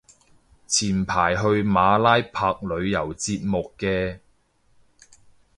前排有去馬拉拍旅遊節目嘅